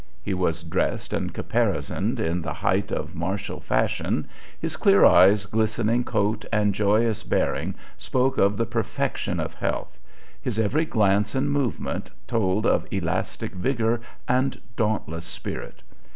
He was dressed and caparisoned in the height of martial fashion; his clear eyes, glistening coat, and joyous bearing spoke of the perfection of health; his every glance and movement told of elastic vigor and dauntless spirit.